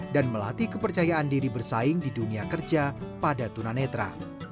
dan melatih kepercayaan diri bersaing di dunia kerja pada tunanetra